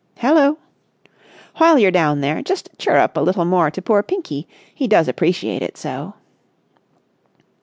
"Hello?" "While you're down there, just chirrup a little more to poor Pinky. He does appreciate it so!"